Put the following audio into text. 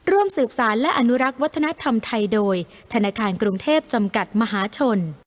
ร่วมสืบสารและอนุรักษ์วัฒนธรรมไทยโดยธนาคารกรุงเทพจำกัดมหาชน